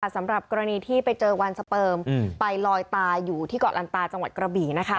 สำหรับกรณีที่ไปเจอวันสเปิมไปลอยตายอยู่ที่เกาะลันตาจังหวัดกระบี่